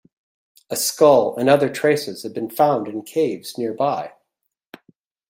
A skull and other traces have been found in caves nearby.